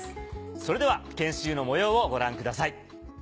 それでは研修の模様をご覧ください。